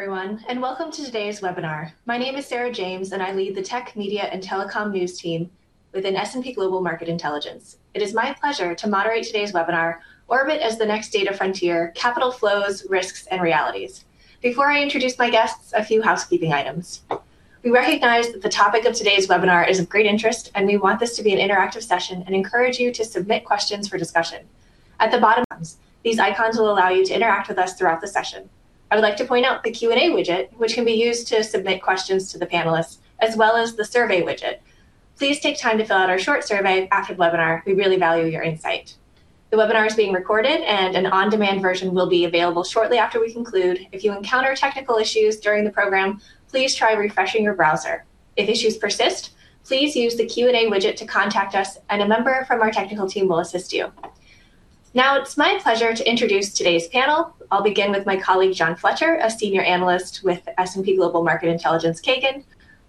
Hello everyone, welcome to today's webinar. My name is Sarah James, and I lead the Tech, Media & Telecoms News team within S&P Global Market Intelligence. It is my pleasure to moderate today's webinar, "Orbit as the Next Data Frontier: Capital Flows, Risks and Realities." Before I introduce my guests, a few housekeeping items. We recognize that the topic of today's webinar is of great interest. We want this to be an interactive session and encourage you to submit questions for discussion. At the bottom, these icons will allow you to interact with us throughout the session. I would like to point out the Q and A widget, which can be used to submit questions to the panelists as well as the survey widget. Please take time to fill out our short survey after the webinar. We really value your insight. The webinar is being recorded. An on-demand version will be available shortly after we conclude. If you encounter technical issues during the program, please try refreshing your browser. If issues persist, please use the Q and A widget to contact us. A member from our technical team will assist you. It's my pleasure to introduce today's panel. I'll begin with my colleague, John Fletcher, a Senior Research Analyst with S&P Global Market Intelligence, Kagan.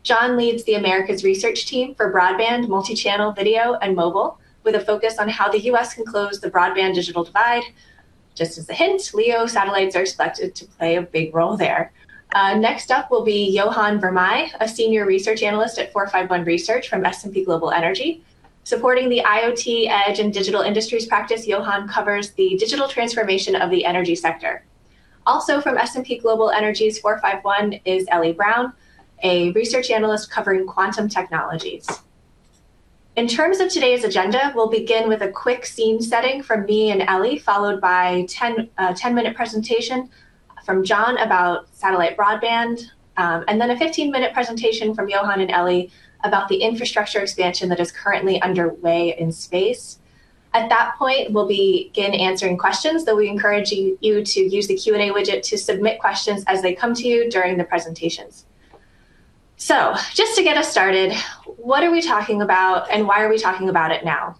John leads the Americas research team for broadband, multichannel video, and mobile, with a focus on how the U.S. can close the broadband digital divide. Just as a hint, LEO satellites are expected to play a big role there. Next up will be Johan Vermij. Our Senior Analyst, 451 Research from S&P Global, Energy. Supporting the IoT edge and digital industries practice, Johan covers the digital transformation of the energy sector. Also from S&P Global Market Intelligence's 451 Research is Ellie Brown, a research analyst covering quantum technologies. In terms of today's agenda, we'll begin with a quick scene setting from me and Ellie, followed by a 10-minute presentation from John about satellite broadband. Then a 15-minute presentation from Johan and Ellie about the infrastructure expansion that is currently underway in space. At that point, we'll begin answering questions, though we encourage you to use the Q and A widget to submit questions as they come to you during the presentations. Just to get us started, what are we talking about and why are we talking about it now?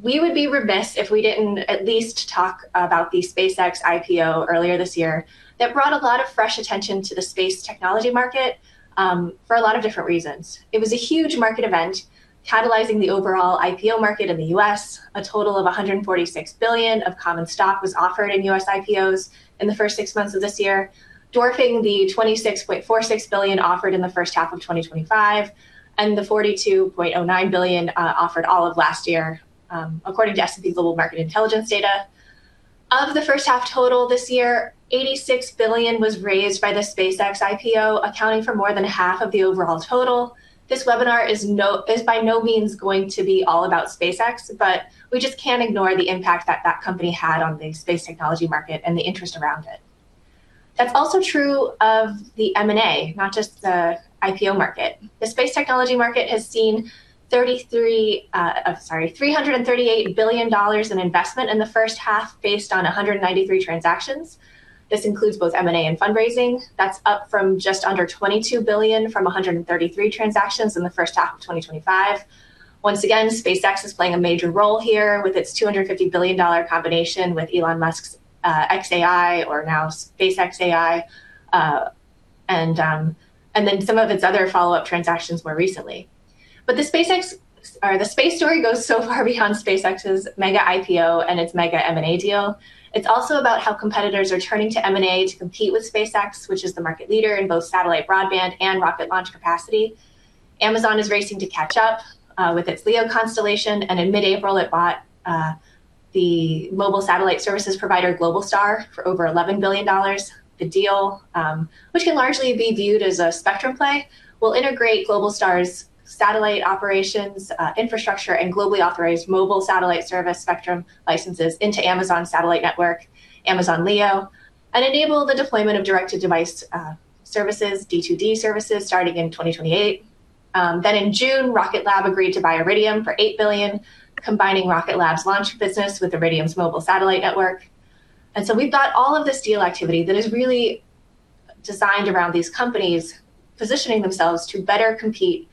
We would be remiss if we didn't at least talk about the SpaceX IPO earlier this year. That brought a lot of fresh attention to the space technology market for a lot of different reasons. It was a huge market event, catalyzing the overall IPO market in the U.S. A total of $146 billion of common stock was offered in U.S. IPOs in the first six months of this year, dwarfing the $26.46 billion offered in the first half of 2025 and the $42.09 billion offered all of last year, according to S&P Global Market Intelligence data. Of the first half total this year, $86 billion was raised by the SpaceX IPO, accounting for more than half of the overall total. This webinar is by no means going to be all about SpaceX. We just can't ignore the impact that that company had on the space technology market and the interest around it. That's also true of the M&A, not just the IPO market. The space technology market has seen $338 billion in investment in the first half based on 193 transactions. This includes both M&A and fundraising. That's up from just under $22 billion from 133 transactions in the first half of 2025. SpaceX is playing a major role here with its $250 billion combination with Elon Musk's xAI, or now SpaceXAI, and then some of its other follow-up transactions more recently. The space story goes so far beyond SpaceX's mega IPO and its mega M&A deal. It's also about how competitors are turning to M&A to compete with SpaceX, which is the market leader in both satellite broadband and rocket launch capacity. Amazon is racing to catch up with its LEO constellation, and in mid-April it bought the mobile satellite services provider Globalstar for over $11 billion. The deal, which can largely be viewed as a spectrum play, will integrate Globalstar's satellite operations, infrastructure, and globally authorized mobile satellite service spectrum licenses into Amazon Satellite Network, Amazon LEO, and enable the deployment of direct-to-device services, D2D services, starting in 2028. In June, Rocket Lab agreed to buy Iridium for $8 billion, combining Rocket Lab's launch business with Iridium's mobile satellite network. We've got all of this deal activity that is really designed around these companies positioning themselves to better compete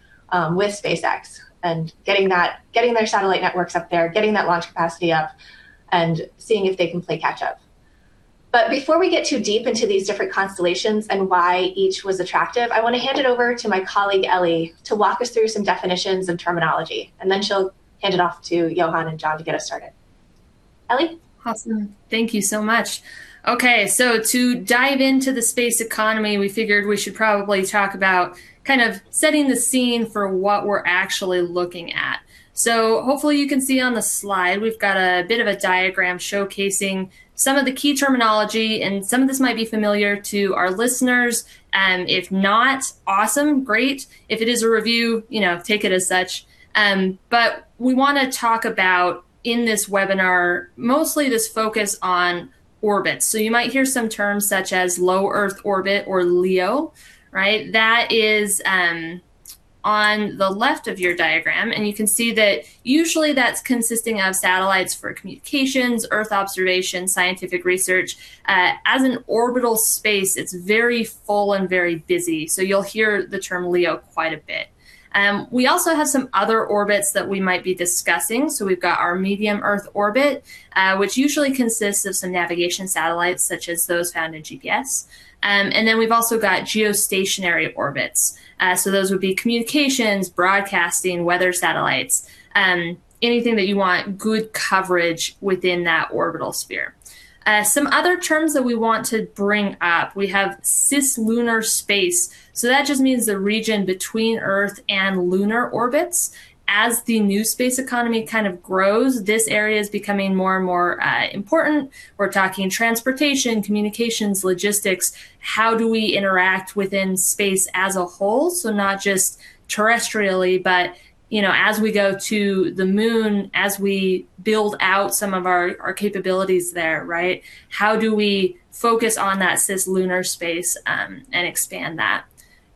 with SpaceX and getting their satellite networks up there, getting that launch capacity up, and seeing if they can play catch up. Before we get too deep into these different constellations and why each was attractive, I want to hand it over to my colleague Ellie to walk us through some definitions and terminology, and then she'll hand it off to Johan and John to get us started. Ellie? Thank you so much. To dive into the space economy, we figured we should probably talk about setting the scene for what we're actually looking at. Hopefully you can see on the slide, we've got a bit of a diagram showcasing some of the key terminology, and some of this might be familiar to our listeners. If not, great. If it is a review, take it as such. We want to talk about, in this webinar, mostly this focus on orbits. You might hear some terms such as low Earth orbit or LEO. That is on the left of your diagram, and you can see that usually that's consisting of satellites for communications, Earth observation, scientific research. As an orbital space, it's very full and very busy. You'll hear the term LEO quite a bit. We also have some other orbits that we might be discussing. We've got our medium Earth orbit, which usually consists of some navigation satellites such as those found in GPS. We've also got geostationary orbits. Those would be communications, broadcasting, weather satellites, anything that you want good coverage within that orbital sphere. Some other terms that we want to bring up. We have Cislunar space. That just means the region between Earth and lunar orbits. As the new space economy grows, this area is becoming more and more important. We're talking transportation, communications, logistics. How do we interact within space as a whole? Not just terrestrially, but as we go to the moon, as we build out some of our capabilities there, right? How do we focus on that Cislunar space and expand that?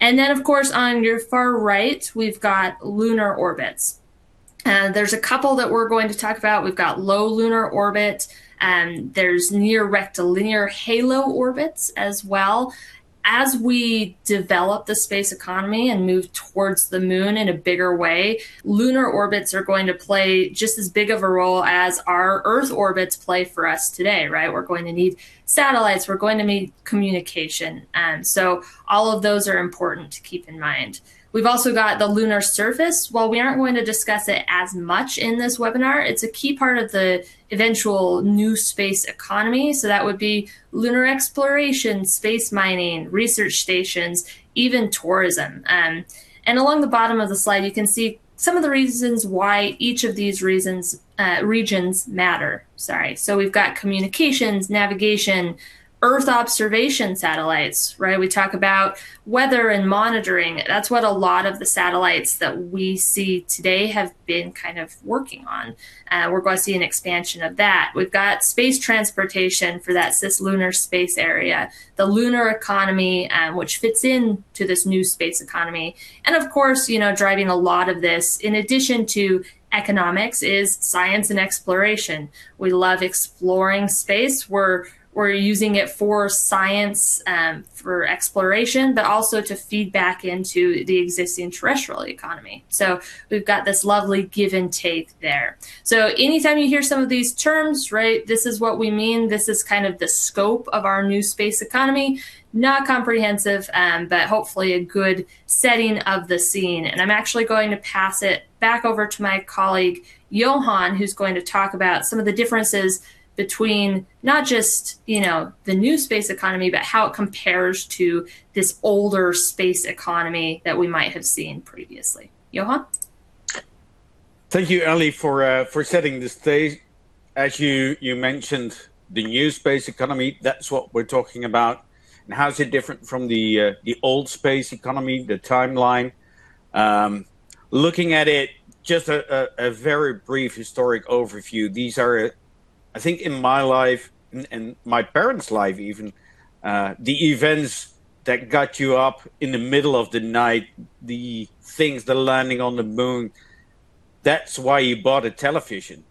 On your far right, we've got lunar orbits. There's a couple that we're going to talk about. We've got low lunar orbit, there's near-rectilinear halo orbits as well. As we develop the space economy and move towards the moon in a bigger way, lunar orbits are going to play just as big of a role as our Earth orbits play for us today, right? We're going to need satellites, we're going to need communication. All of those are important to keep in mind. We've also got the lunar surface. While we aren't going to discuss it as much in this webinar, it's a key part of the eventual new space economy. That would be lunar exploration, space mining, research stations, even tourism. Along the bottom of the slide, you can see some of the reasons why each of these regions matter. We've got communications, navigation, Earth observation satellites, right? We talk about weather and monitoring. That's what a lot of the satellites that we see today have been working on. We're going to see an expansion of that. We've got space transportation for that Cislunar space area. The lunar economy, which fits into this new space economy. Of course, driving a lot of this, in addition to economics, is science and exploration. We love exploring space. We're using it for science, for exploration, but also to feed back into the existing terrestrial economy. We've got this lovely give and take there. Anytime you hear some of these terms, this is what we mean. This is the scope of our new space economy. Not comprehensive, but hopefully a good setting of the scene. I'm actually going to pass it back over to my colleague, Johan, who's going to talk about some of the differences between not just the new space economy, but how it compares to this older space economy that we might have seen previously. Johan? Thank you, Ellie, for setting the stage. As you mentioned, the new space economy, that's what we're talking about. How is it different from the old space economy, the timeline. Looking at it, just a very brief historic overview. These are, I think in my life, my parents' life even, the events that got you up in the middle of the night, the things, the landing on the moon. That's why you bought a television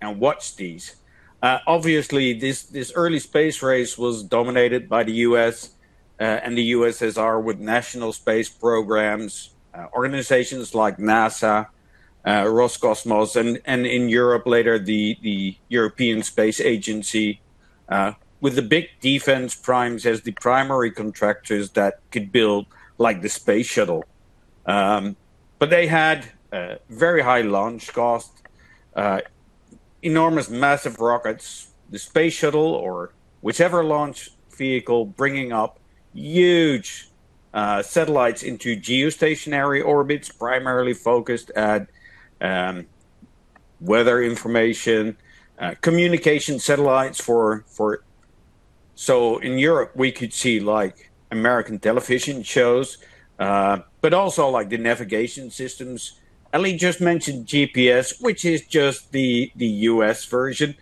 and watched these. Obviously, this early space race was dominated by the U.S. and the USSR with national space programs, organizations like NASA, Roscosmos, in Europe later, the European Space Agency, with the big defense primes as the primary contractors that could build the space shuttle. They had very high launch costs, enormous, massive rockets. The space shuttle or whichever launch vehicle bringing up huge satellites into geostationary orbits, primarily focused at weather information, communication satellites. In Europe, we could see American television shows, but also the navigation systems. Ellie just mentioned GPS, which is just the U.S. version.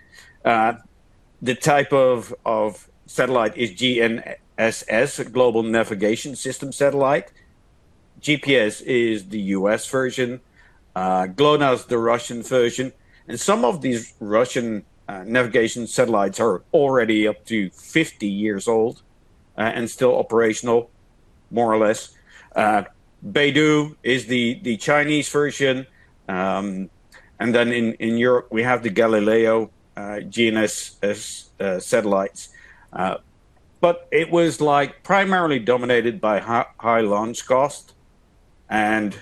The type of satellite is GNSS, a Global Navigation System Satellite. GPS is the U.S. version. GLONASS, the Russian version. Some of these Russian navigation satellites are already up to 50 years old and still operational, more or less. BeiDou is the Chinese version. In Europe, we have the Galileo GNSS satellites. It was primarily dominated by high launch cost and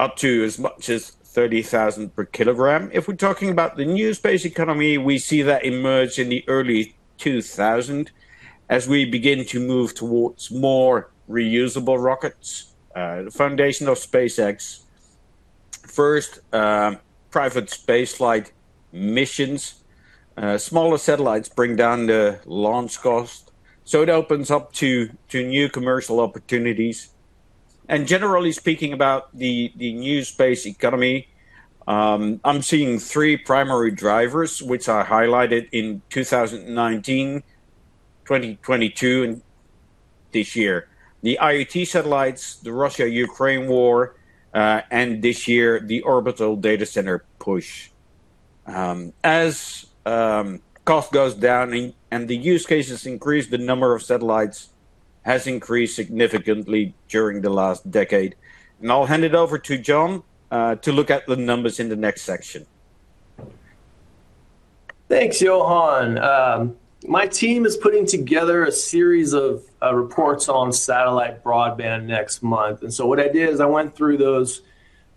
up to as much as 30,000 per kilogram. If we're talking about the new space economy, we see that emerge in the early 2000 as we begin to move towards more reusable rockets. The foundation of SpaceX. First private spaceflight missions. Smaller satellites bring down the launch cost. It opens up to new commercial opportunities. Generally speaking about the new space economy, I'm seeing three primary drivers, which I highlighted in 2019, 2022, and this year. The IoT satellites, the Russia-Ukraine war, and this year, the orbital data center push. As cost goes down and the use cases increase, the number of satellites has increased significantly during the last decade. I'll hand it over to John to look at the numbers in the next section. Thanks, Johan. My team is putting together a series of reports on satellite broadband next month. What I did is I went through those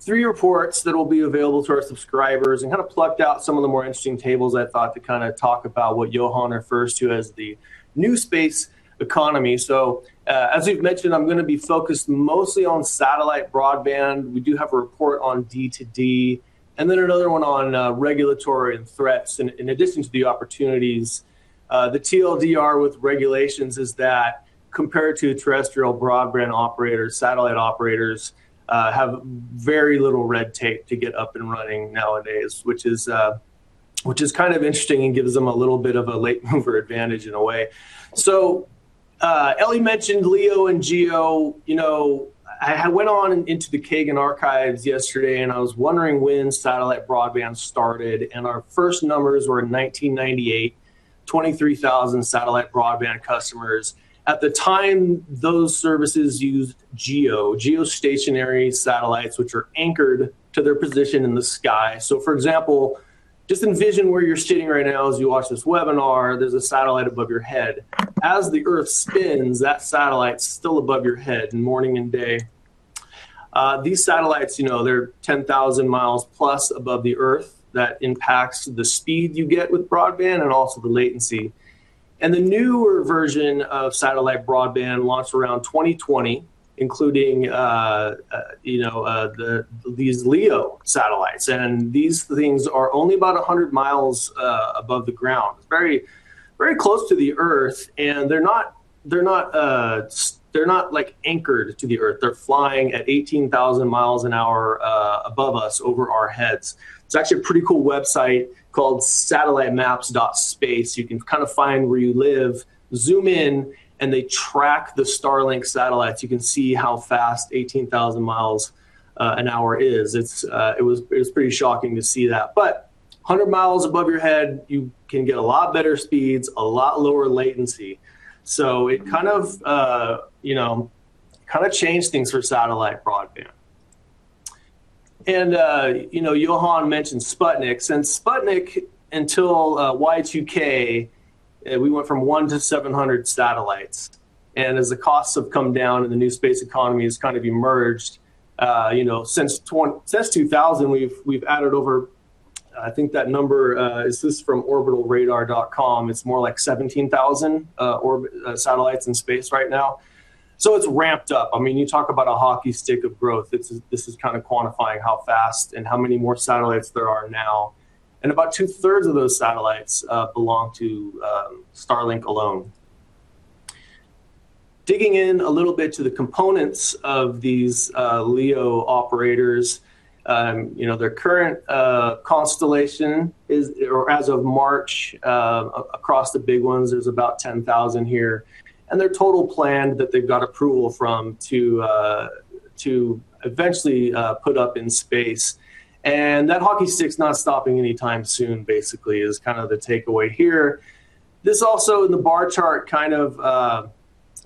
three reports that will be available to our subscribers and plucked out some of the more interesting tables I thought to talk about what Johan refers to as the new space economy. As we've mentioned, I'm going to be focused mostly on satellite broadband. We do have a report on D2D, another one on regulatory and threats in addition to the opportunities. The TLDR with regulations is that compared to terrestrial broadband operators, satellite operators have very little red tape to get up and running nowadays, which is interesting and gives them a little bit of a late mover advantage in a way. Ellie mentioned LEO and GEO. I went on into the Kagan archives yesterday. I was wondering when satellite broadband started. Our first numbers were in 1998, 23,000 satellite broadband customers. At the time, those services used GEO, geostationary satellites, which are anchored to their position in the sky. For example, just envision where you're sitting right now as you watch this webinar, there's a satellite above your head. As the Earth spins, that satellite's still above your head morning and day. These satellites, they're 10,000 miles plus above the Earth. That impacts the speed you get with broadband and also the latency. The newer version of satellite broadband launched around 2020, including these LEO satellites. These things are only about 100 miles above the ground. It's very close to the Earth, and they're not anchored to the Earth. They're flying at 18,000 miles an hour above us over our heads. There's actually a pretty cool website called satellitemap.space. You can find where you live, zoom in, and they track the Starlink satellites. You can see how fast 18,000 miles an hour is. It was pretty shocking to see that. 100 miles above your head, you can get a lot better speeds, a lot lower latency. It changed things for satellite broadband. Johan mentioned Sputnik. Since Sputnik until Y2K, we went from one to 700 satellites. As the costs have come down and the new space economy has emerged, since 2000, we've added over, I think that number, is this from orbitalradar.com? It's more like 17,000 satellites in space right now. It's ramped up. You talk about a hockey stick of growth. This is quantifying how fast and how many more satellites there are now. About two-thirds of those satellites belong to Starlink alone. Digging in a little bit to the components of these LEO operators. Their current constellation as of March, across the big ones, there's about 10,000 here, and their total plan that they've got approval from to eventually put up in space. That hockey stick's not stopping anytime soon, basically, is the takeaway here. This also in the bar chart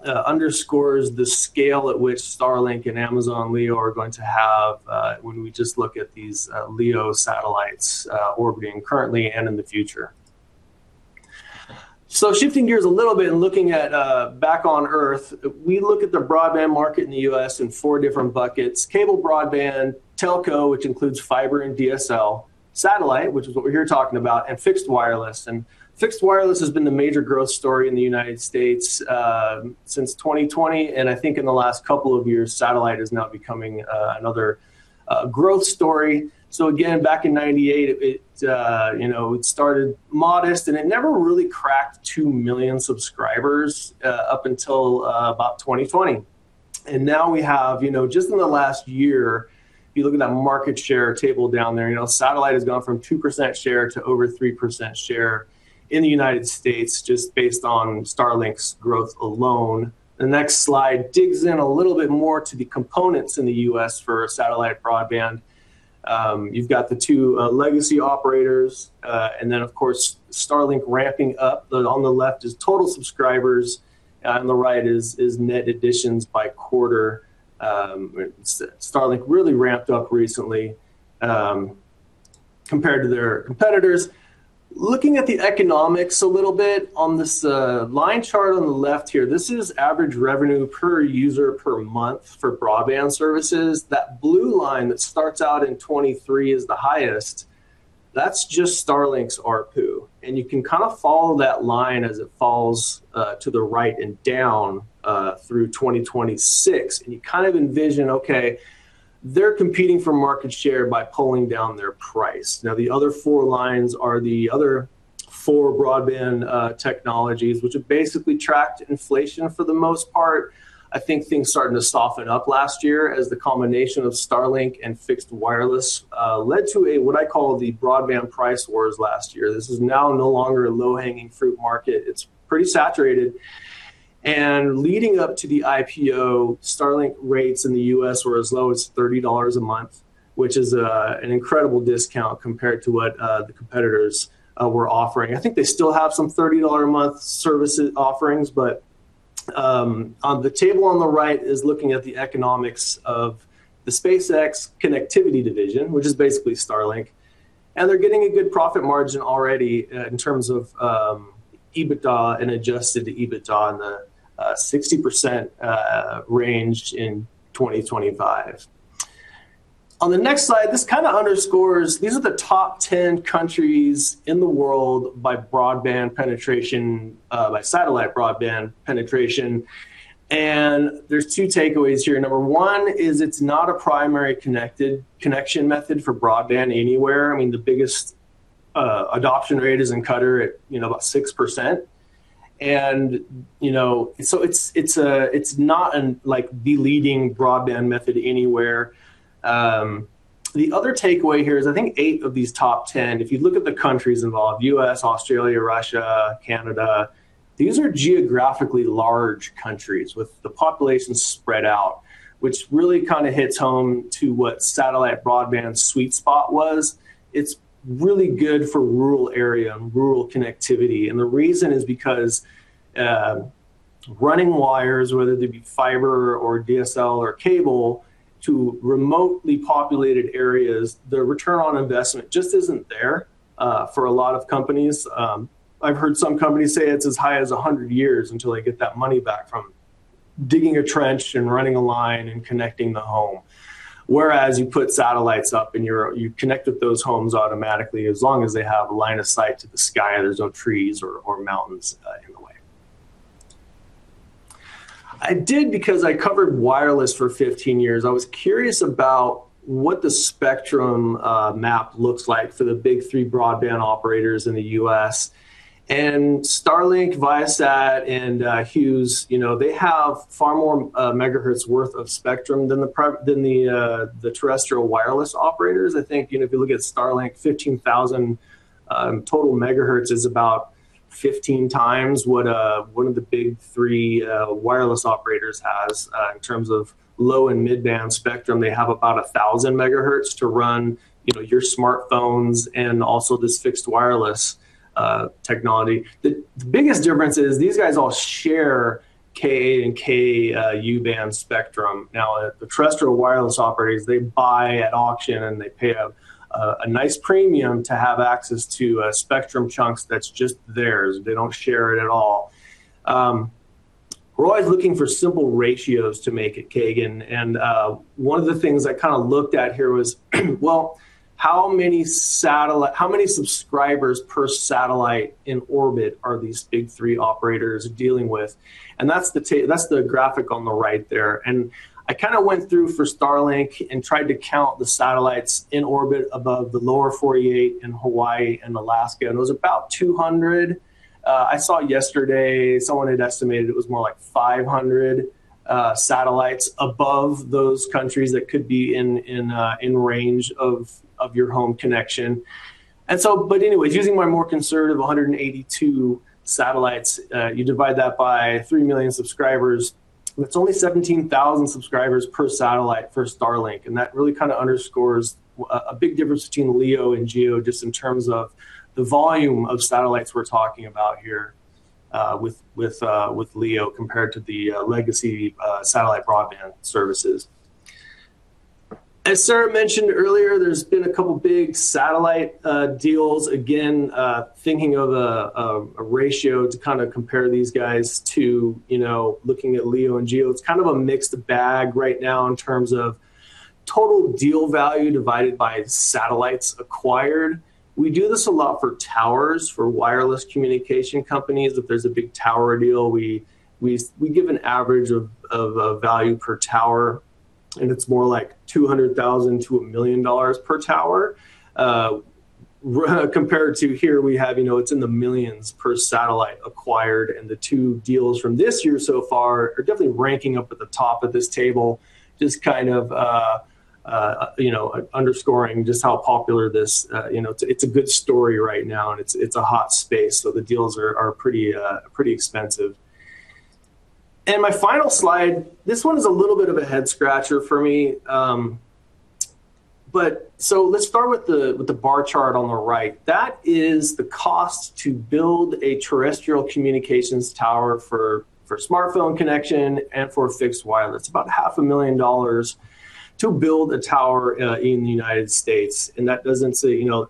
underscores the scale at which Starlink and Amazon LEO are going to have when we just look at these LEO satellites orbiting currently and in the future. Shifting gears a little bit and looking at back on Earth, we look at the broadband market in the U.S. in four different buckets. Cable broadband, telco, which includes fiber and DSL, satellite, which is what we're here talking about, fixed wireless. Fixed wireless has been the major growth story in the United States since 2020. I think in the last couple of years, satellite is now becoming another growth story. Again, back in 1998, it started modest. It never really cracked 2 million subscribers up until about 2020. Now we have, just in the last year, if you look at that market share table down there, satellite has gone from 2% share to over 3% share in the United States just based on Starlink's growth alone. The next slide digs in a little bit more to the components in the U.S. for satellite broadband. You've got the two legacy operators, then, of course, Starlink ramping up. On the left is total subscribers, on the right is net additions by quarter. Starlink really ramped up recently compared to their competitors. Looking at the economics a little bit on this line chart on the left here, this is average revenue per user per month for broadband services. That blue line that starts out in 2023 is the highest. That's just Starlink's ARPU. You can follow that line as it falls to the right and down through 2026. You envision, okay, they're competing for market share by pulling down their price. The other four lines are the other four broadband technologies, which have basically tracked inflation for the most part. I think things started to soften up last year as the combination of Starlink and fixed wireless led to what I call the broadband price wars last year. This is now no longer a low-hanging fruit market. It's pretty saturated. Leading up to the IPO, Starlink rates in the U.S. were as low as $30 a month, which is an incredible discount compared to what the competitors were offering. I think they still have some $30 a month service offerings, but on the table on the right is looking at the economics of the SpaceX connectivity division, which is basically Starlink. They're getting a good profit margin already in terms of EBITDA and Adjusted EBITDA in the 60% range in 2025. On the next slide, it underscores these are the top 10 countries in the world by satellite broadband penetration. There's two takeaways here. Number one is it's not a primary connection method for broadband anywhere. The biggest adoption rate is in Qatar at about 6%. So it's not the leading broadband method anywhere. The other takeaway here is I think eight of these top 10, if you look at the countries involved, U.S., Australia, Russia, Canada, these are geographically large countries with the population spread out, which really hits home to what satellite broadband's sweet spot was. It's really good for rural area and rural connectivity, the reason is because running wires, whether they be fiber or DSL or cable, to remotely populated areas, the return on investment just isn't there for a lot of companies. I've heard some companies say it's as high as 100 years until they get that money back from digging a trench and running a line and connecting the home. You put satellites up and you connect with those homes automatically, as long as they have a line of sight to the sky, there's no trees or mountains in the way. I did because I covered wireless for 15 years. I was curious about what the spectrum map looks like for the big three broadband operators in the U.S. Starlink, Viasat and Hughes, they have far more megahertz worth of spectrum than the terrestrial wireless operators. I think, if you look at Starlink, 15,000 total megahertz is about 15 times what one of the big three wireless operators has in terms of low and mid-band spectrum. They have about 1,000 megahertz to run your smartphones and also this fixed wireless technology. The biggest difference is these guys all share Ka-band and Ku-band spectrum. The terrestrial wireless operators, they buy at auction and they pay a nice premium to have access to spectrum chunks that's just theirs. They don't share it at all. We're always looking for simple ratios to make at Kagan, one of the things I looked at here was, well, how many subscribers per satellite in orbit are these big three operators dealing with? That's the graphic on the right there. I went through for Starlink and tried to count the satellites in orbit above the lower 48 and Hawaii and Alaska, it was about 200. I saw yesterday someone had estimated it was more like 500 satellites above those countries that could be in range of your home connection. Anyways, using my more conservative 182 satellites, you divide that by 3 million subscribers, it's only 17,000 subscribers per satellite for Starlink. That really underscores a big difference between LEO and GEO, just in terms of the volume of satellites we're talking about here with LEO compared to the legacy satellite broadband services. As Sarah mentioned earlier, there's been a couple big satellite deals. Thinking of a ratio to compare these guys to looking at LEO and GEO, it's a mixed bag right now in terms of total deal value divided by satellites acquired. We do this a lot for towers for wireless communication companies. If there's a big tower deal, we give an average of a value per tower, it's more like $200,000-$1 million per tower. Compared to here we have it's in the millions per satellite acquired, the two deals from this year so far are definitely ranking up at the top of this table, just underscoring just how popular this. It's a good story right now, it's a hot space, the deals are pretty expensive. My final slide, this one is a little bit of a head scratcher for me. Let's start with the bar chart on the right. That is the cost to build a terrestrial communications tower for smartphone connection and for fixed wireless. It's about half a million dollars to build a tower in the United States. The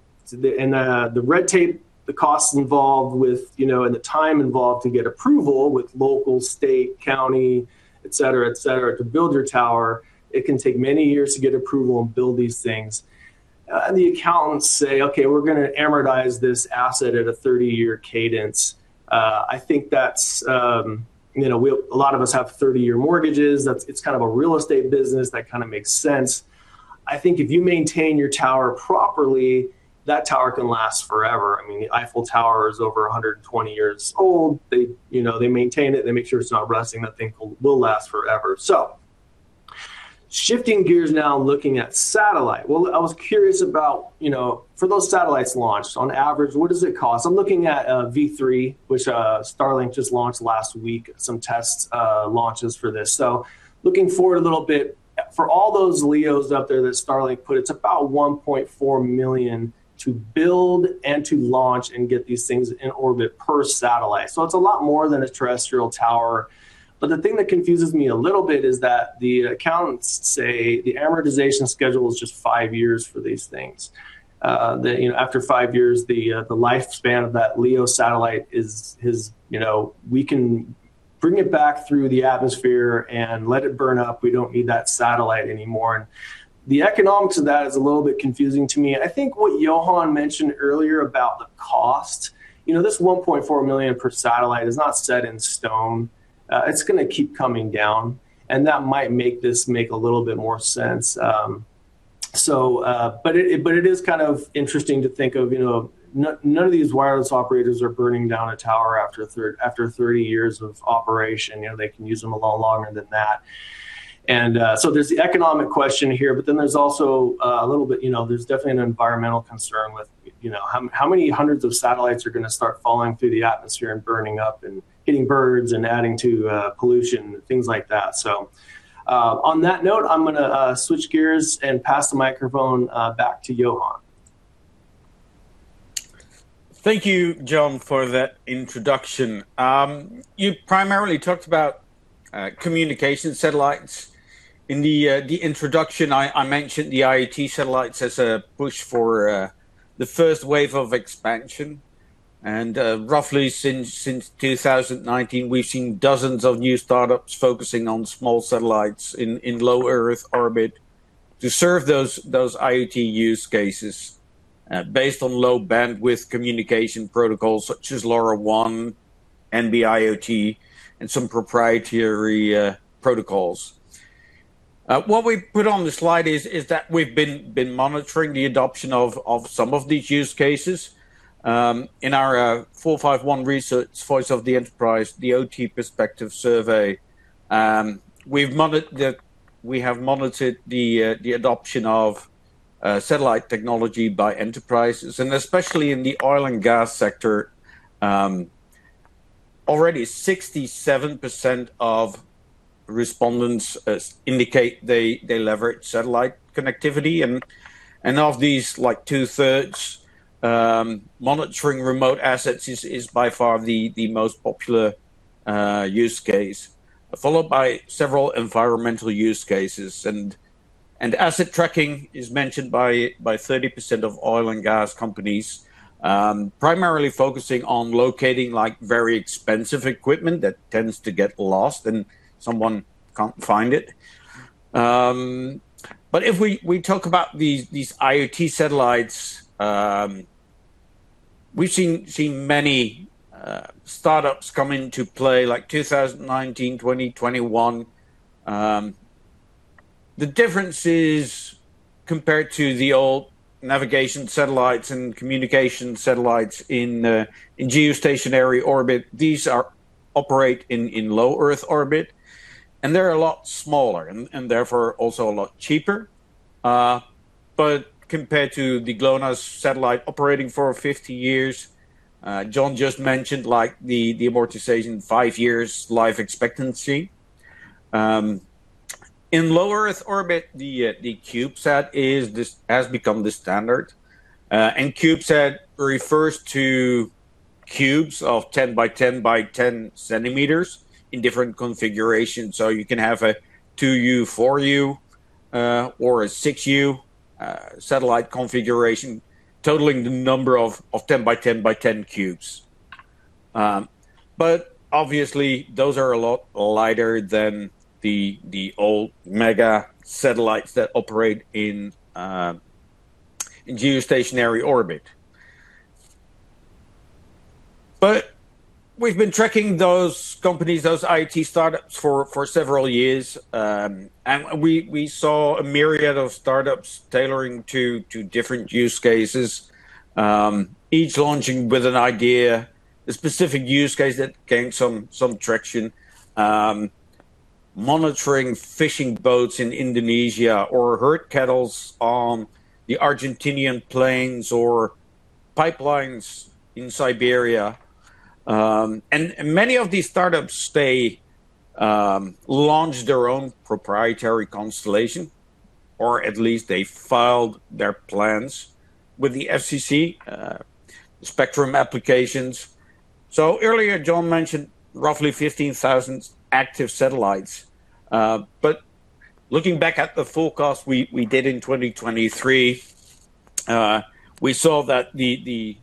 red tape, the costs involved, the time involved to get approval with local, state, county, et cetera, to build your tower, it can take many years to get approval and build these things. The accountants say, "Okay, we're going to amortize this asset at a 30-year cadence." I think that's a lot of us have 30-year mortgages. It's a real estate business. That makes sense. I think if you maintain your tower properly, that tower can last forever. The Eiffel Tower is over 120 years old. They maintain it. They make sure it's not rusting. That thing will last forever. Shifting gears now and looking at satellite. I was curious about for those satellites launched, on average, what does it cost? I'm looking at V3, which Starlink just launched last week, some test launches for this. Looking forward a little bit, for all those LEOs up there that Starlink put, it's about $1.4 million to build and to launch and get these things in orbit per satellite. The thing that confuses me a little bit is that the accountants say the amortization schedule is just five years for these things. After five years, the lifespan of that LEO satellite is we can bring it back through the atmosphere and let it burn up. We don't need that satellite anymore. The economics of that is a little bit confusing to me. I think what Johan mentioned earlier about the cost, this $1.4 million per satellite is not set in stone. That might make this make a little bit more sense. It is kind of interesting to think of, none of these wireless operators are burning down a tower after 30 years of operation. They can use them a lot longer than that. There's the economic question here, there's also a little bit, there's definitely an environmental concern with how many hundreds of satellites are going to start falling through the atmosphere and burning up and hitting birds and adding to pollution and things like that. On that note, I'm going to switch gears and pass the microphone back to Johan. Thank you, John, for that introduction. You primarily talked about communication satellites. In the introduction, I mentioned the IoT satellites as a push for the first wave of expansion. Roughly since 2019, we've seen dozens of new startups focusing on small satellites in low Earth orbit to serve those IoT use cases based on low bandwidth communication protocols such as LoRaWAN, NB-IoT, and some proprietary protocols. What we put on the slide is that we've been monitoring the adoption of some of these use cases in our 451 Research Voice of the Enterprise: The OT Perspective survey. We have monitored the adoption of satellite technology by enterprises, and especially in the oil and gas sector. Already 67% of respondents indicate they leverage satellite connectivity, and of these, two-thirds monitoring remote assets is by far the most popular use case, followed by several environmental use cases. Asset tracking is mentioned by 30% of oil and gas companies, primarily focusing on locating very expensive equipment that tends to get lost and someone can't find it. If we talk about these IoT satellites, we've seen many startups come into play like 2019, 2021. The difference is, compared to the old navigation satellites and communication satellites in geostationary orbit, these operate in low Earth orbit, they're a lot smaller and therefore also a lot cheaper. Compared to the GLONASS satellite operating for 50 years, John just mentioned the amortization, five years life expectancy. In low Earth orbit, the CubeSat has become the standard. CubeSat refers to cubes of 10 by 10 by 10 centimeters in different configurations. You can have a 2U, 4U, or a 6U satellite configuration totaling the number of 10 by 10 by 10 cubes. Obviously those are a lot lighter than the old mega satellites that operate in geostationary orbit. We've been tracking those companies, those IoT startups for several years, we saw a myriad of startups tailoring to different use cases, each launching with an idea, a specific use case that gained some traction. Monitoring fishing boats in Indonesia, or herd cattles on the Argentinian plains, or pipelines in Siberia. Many of these startups, they launched their own proprietary constellation, or at least they filed their plans with the FCC, spectrum applications. Earlier, John mentioned roughly 15,000 active satellites. Looking back at the forecast we did in 2023, we saw that the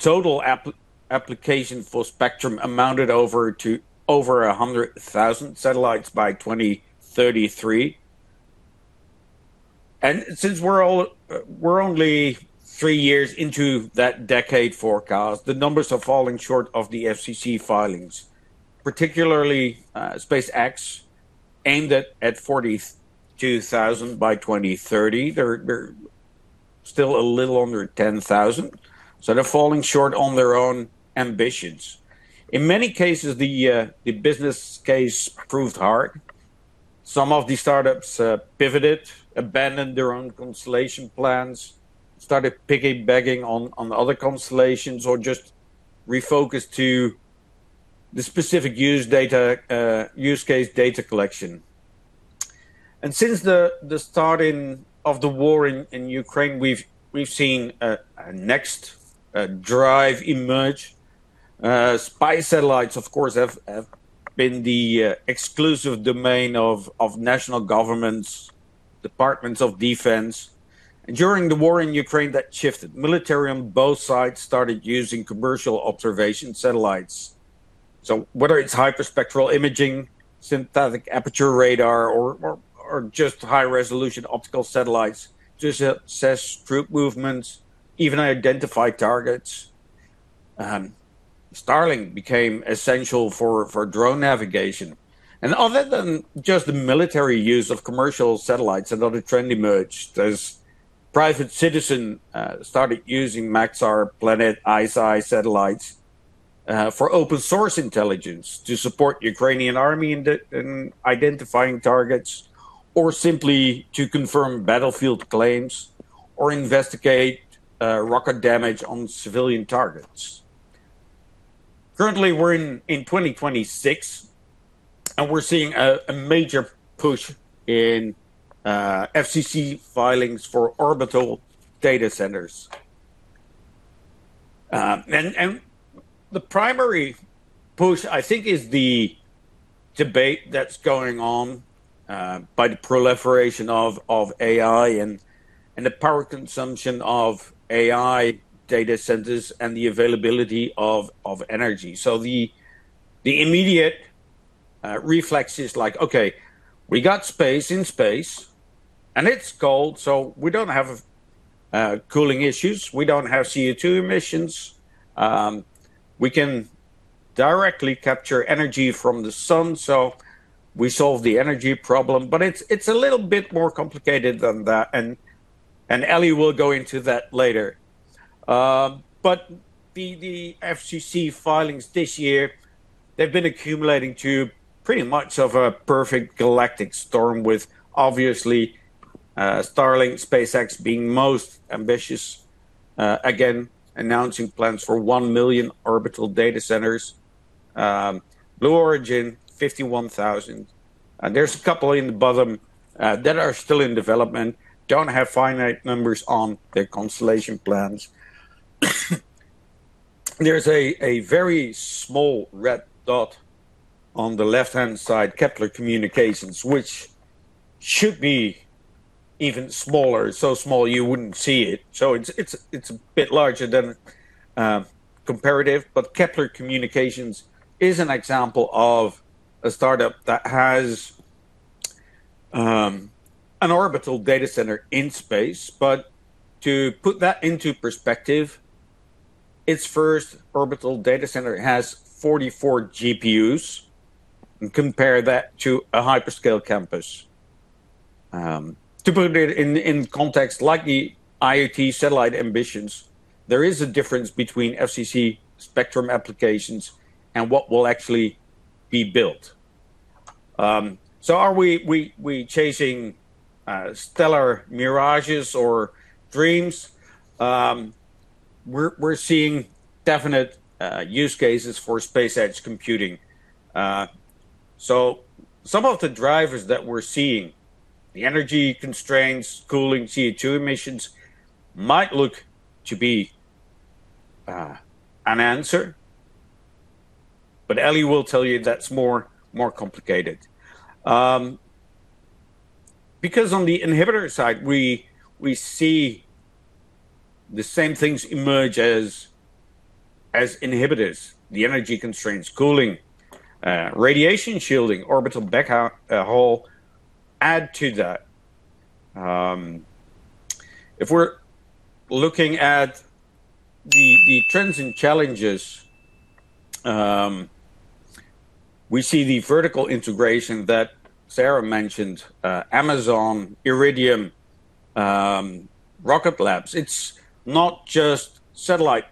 total application for spectrum amounted over to over 100,000 satellites by 2033. Since we're only three years into that decade forecast, the numbers are falling short of the FCC filings. Particularly, SpaceX aimed at 42,000 by 2030. They're still a little under 10,000. They're falling short on their own ambitions. In many cases, the business case proved hard. Some of the startups pivoted, abandoned their own constellation plans, started piggybacking on other constellations, or just refocused to the specific use case data collection. Since the starting of the war in Ukraine, we've seen a next drive emerge. Spy satellites, of course, have been the exclusive domain of national governments, departments of defense. During the war in Ukraine, that shifted. Military on both sides started using commercial observation satellites. Whether it's hyperspectral imaging, synthetic aperture radar, or just high-resolution optical satellites to assess troop movements, even identify targets Starlink became essential for drone navigation. Other than just the military use of commercial satellites, another trend emerged as private citizen started using Maxar, Planet, ICEYE satellites for open source intelligence to support Ukrainian Army in identifying targets or simply to confirm battlefield claims or investigate rocket damage on civilian targets. Currently, we're in 2026, and we're seeing a major push in FCC filings for orbital data centers. The primary push, I think, is the debate that's going on by the proliferation of AI and the power consumption of AI data centers and the availability of energy. The immediate reflex is like, "Okay, we got space in space and it's cold, so we don't have cooling issues. We don't have CO2 emissions. We can directly capture energy from the sun, so we solve the energy problem." It's a little bit more complicated than that, and Ellie will go into that later. The FCC filings this year, they've been accumulating to pretty much of a perfect galactic storm with obviously Starlink, SpaceX being most ambitious. Again, announcing plans for 1 million orbital data centers. Blue Origin, 51,000. There's a couple in the bottom that are still in development, don't have finite numbers on their constellation plans. There's a very small red dot on the left-hand side, Kepler Communications, which should be even smaller. It's so small you wouldn't see it. It's a bit larger than comparative, but Kepler Communications is an example of a startup that has an orbital data center in space. To put that into perspective, its first orbital data center has 44 GPUs, and compare that to a hyperscale campus. To put it in context like the IoT satellite ambitions, there is a difference between FCC spectrum applications and what will actually be built. Are we chasing stellar mirages or dreams? We're seeing definite use cases for space edge computing. Some of the drivers that we're seeing, the energy constraints, cooling, CO2 emissions, might look to be an answer, but Ellie will tell you that's more complicated. On the inhibitor side, we see the same things emerge as inhibitors. The energy constraints, cooling, radiation shielding, orbital BECA hole add to that. If we're looking at the trends and challenges, we see the vertical integration that Sarah mentioned, Amazon, Iridium, Rocket Lab. It's not just satellite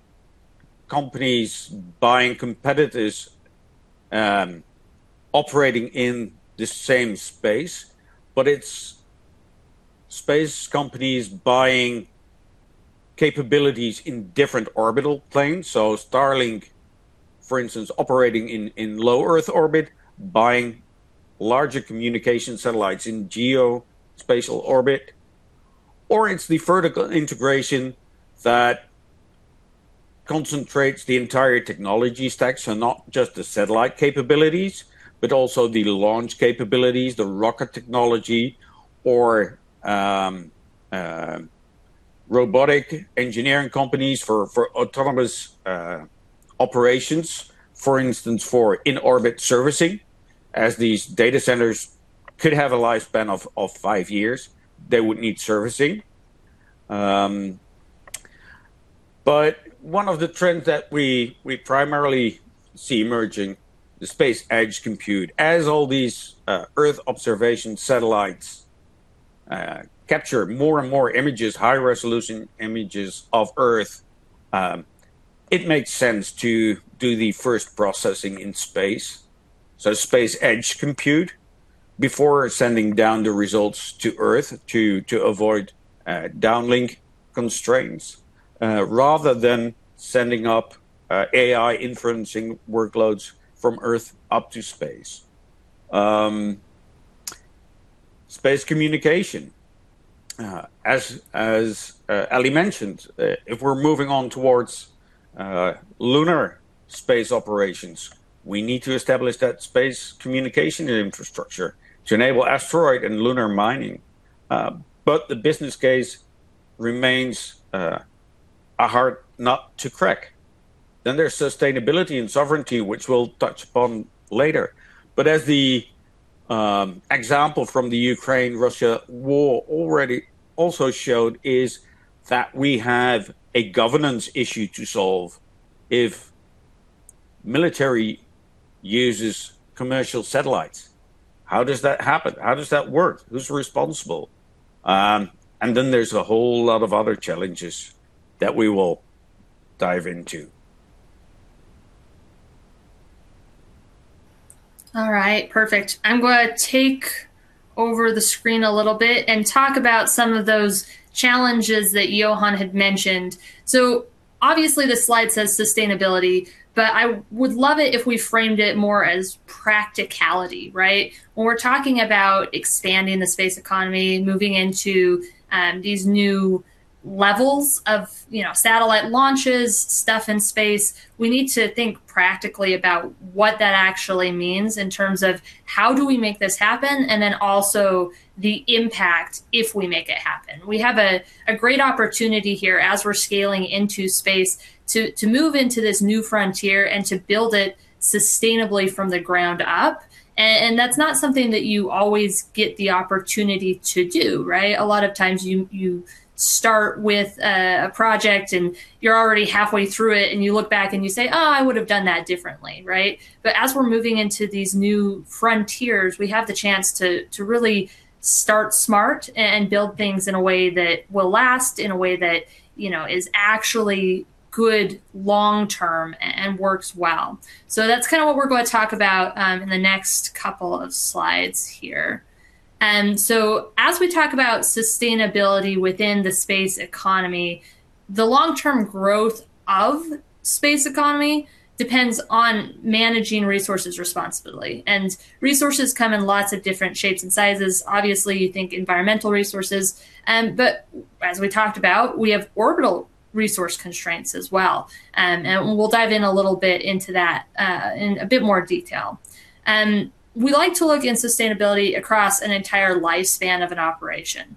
companies buying competitors operating in the same space, but it's space companies buying capabilities in different orbital planes. Starlink, for instance, operating in low Earth orbit, buying larger communication satellites in geostationary orbit, or it's the vertical integration that concentrates the entire technology stacks and not just the satellite capabilities, but also the launch capabilities, the rocket technology, or robotic engineering companies for autonomous operations. For instance, for in-orbit servicing, as these data centers could have a lifespan of five years, they would need servicing. One of the trends that we primarily see emerging, the space edge compute. As all these Earth observation satellites capture more and more images, high-resolution images of Earth, it makes sense to do the first processing in space. Space edge compute before sending down the results to Earth to avoid downlink constraints, rather than sending up AI inferencing workloads from Earth up to space. Space communication. As Ellie mentioned, if we're moving on towards lunar space operations, we need to establish that space communication infrastructure to enable asteroid and lunar mining. The business case remains a hard nut to crack. There's sustainability and sovereignty, which we'll touch upon later. As the example from the Ukraine-Russia war already also showed is that we have a governance issue to solve if military uses commercial satellites. How does that happen? How does that work? Who's responsible? There's a whole lot of other challenges that we will dive into. All right. Perfect. I'm going to take over the screen a little bit and talk about some of those challenges that Johan had mentioned. Obviously, this slide says sustainability, but I would love it if we framed it more as practicality. Right? When we're talking about expanding the space economy, moving into these new levels of satellite launches, stuff in space, we need to think practically about what that actually means in terms of how do we make this happen, and then also the impact if we make it happen. We have a great opportunity here as we're scaling into space to move into this new frontier and to build it sustainably from the ground up. That's not something that you always get the opportunity to do, right? A lot of times you start with a project and you're already halfway through it, and you look back and you say, "Oh, I would've done that differently." Right? As we're moving into these new frontiers, we have the chance to really start smart and build things in a way that will last, in a way that is actually good long term and works well. That's kind of what we're going to talk about in the next couple of slides here. As we talk about sustainability within the space economy, the long-term growth of space economy depends on managing resources responsibly. Resources come in lots of different shapes and sizes. Obviously, you think environmental resources. As we talked about, we have orbital resource constraints as well. We'll dive in a little bit into that in a bit more detail. We like to look in sustainability across an entire lifespan of an operation.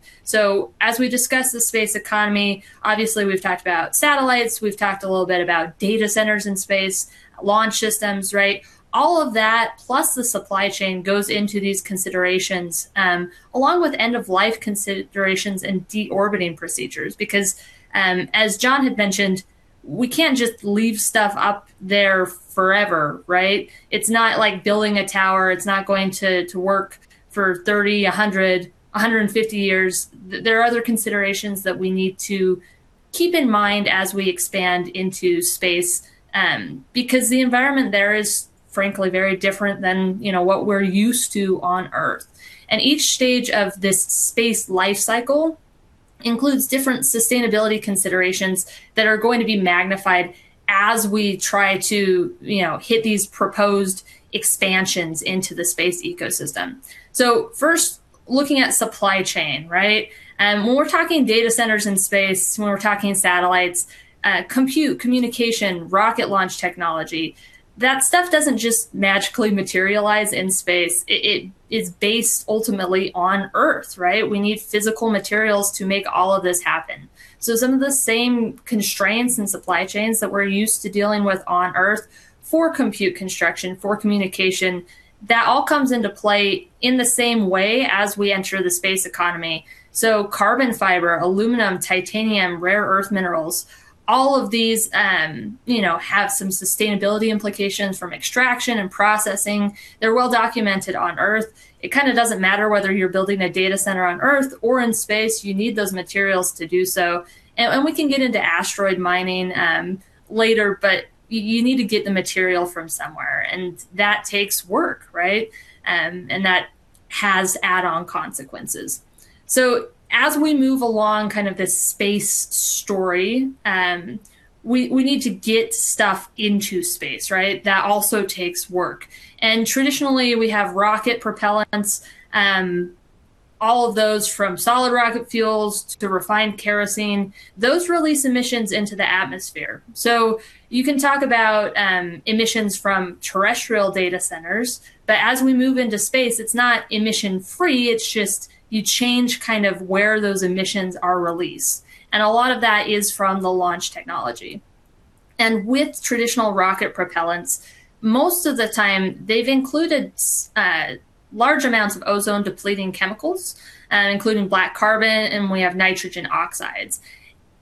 As we discuss the space economy, obviously we've talked about satellites, we've talked a little bit about data centers in space, launch systems, right? All of that, plus the supply chain goes into these considerations, along with end of life considerations and de-orbiting procedures. Because as John had mentioned, we can't just leave stuff up there forever, right? It's not like building a tower. It's not going to work for 30, 100, 150 years. There are other considerations that we need to keep in mind as we expand into space, because the environment there is, frankly, very different than what we're used to on Earth. Each stage of this space life cycle includes different sustainability considerations that are going to be magnified as we try to hit these proposed expansions into the space ecosystem. First, looking at supply chain, right? When we're talking data centers in space, when we're talking satellites, compute, communication, rocket launch technology, that stuff doesn't just magically materialize in space. It is based ultimately on Earth, right? We need physical materials to make all of this happen. Some of the same constraints and supply chains that we're used to dealing with on Earth for compute construction, for communication, that all comes into play in the same way as we enter the space economy. Carbon fiber, aluminum, titanium, rare earth minerals, all of these have some sustainability implications from extraction and processing. They're well documented on Earth. It kind of doesn't matter whether you're building a data center on Earth or in space, you need those materials to do so. We can get into asteroid mining later, you need to get the material from somewhere, and that takes work, right? That has add-on consequences. As we move along kind of this space story, we need to get stuff into space, right? That also takes work. Traditionally, we have rocket propellants, all of those from solid rocket fuels to refined kerosene. Those release emissions into the atmosphere. You can talk about emissions from terrestrial data centers, as we move into space, it's not emission-free, it's just you change kind of where those emissions are released. A lot of that is from the launch technology. With traditional rocket propellants, most of the time, they've included large amounts of ozone-depleting chemicals, including black carbon, and we have nitrogen oxides.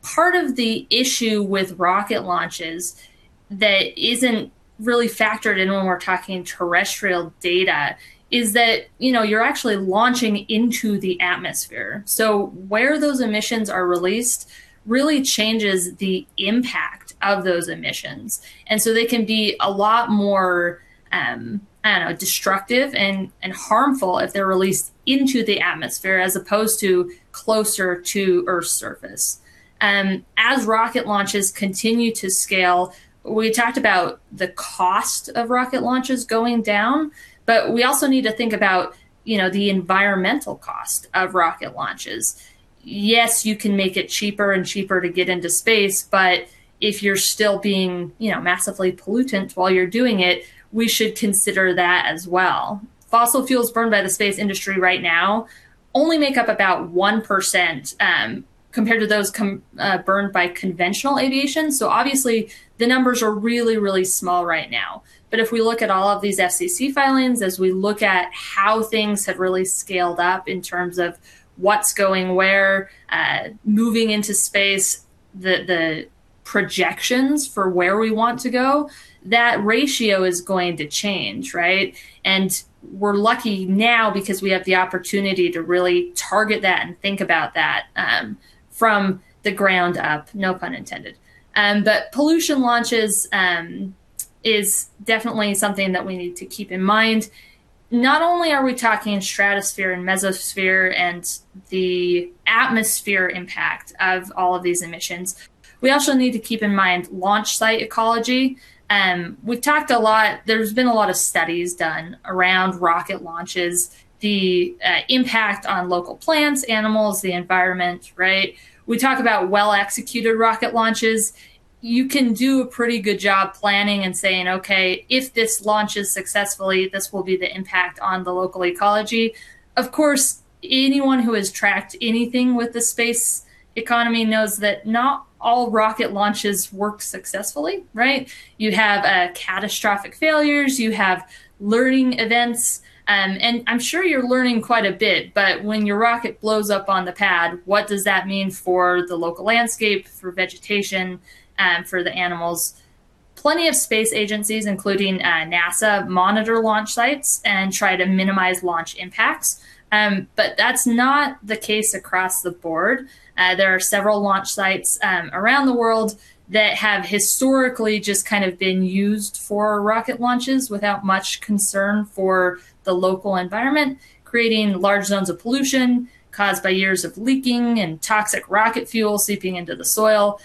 Part of the issue with rocket launches that isn't really factored in when we're talking terrestrial data is that you're actually launching into the atmosphere. Where those emissions are released really changes the impact of those emissions. They can be a lot more, I don't know, destructive and harmful if they're released into the atmosphere as opposed to closer to Earth's surface. As rocket launches continue to scale, we talked about the cost of rocket launches going down, we also need to think about the environmental cost of rocket launches. Yes, you can make it cheaper and cheaper to get into space, if you're still being massively pollutant while you're doing it, we should consider that as well. Fossil fuels burned by the space industry right now only make up about 1% compared to those burned by conventional aviation. The numbers are really, really small right now. If we look at all of these FCC filings, as we look at how things have really scaled up in terms of what's going where, moving into space, the projections for where we want to go, that ratio is going to change. We're lucky now because we have the opportunity to really target that and think about that from the ground up, no pun intended. Pollution launches is definitely something that we need to keep in mind. Not only are we talking stratosphere and mesosphere and the atmosphere impact of all of these emissions, we also need to keep in mind launch site ecology. We've talked a lot, there's been a lot of studies done around rocket launches, the impact on local plants, animals, the environment. We talk about well-executed rocket launches. You can do a pretty good job planning and saying, "Okay, if this launches successfully, this will be the impact on the local ecology." Of course, anyone who has tracked anything with the space economy knows that not all rocket launches work successfully. You have catastrophic failures, you have learning events, I'm sure you're learning quite a bit, when your rocket blows up on the pad, what does that mean for the local landscape, for vegetation, and for the animals? Plenty of space agencies, including NASA, monitor launch sites and try to minimize launch impacts. That's not the case across the board. There are several launch sites around the world that have historically just kind of been used for rocket launches without much concern for the local environment, creating large zones of pollution caused by years of leaking and toxic rocket fuel seeping into the soil.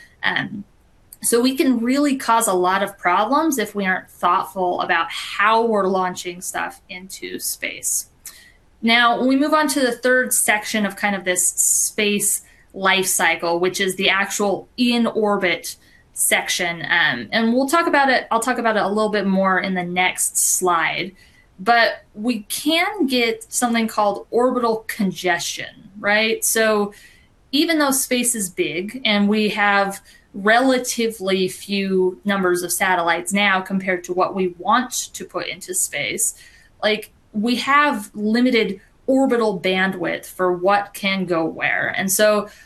We can really cause a lot of problems if we aren't thoughtful about how we're launching stuff into space Now, when we move on to the third section of this space life cycle, which is the actual in-orbit section, I'll talk about it a little bit more in the next slide. We can get something called orbital congestion. Even though space is big and we have relatively few numbers of satellites now compared to what we want to put into space, we have limited orbital bandwidth for what can go where.